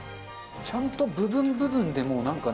ちゃんと部分部分でもう何かね